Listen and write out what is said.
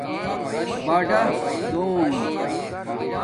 باڑآدون